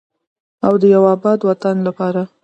او د یو اباد وطن لپاره.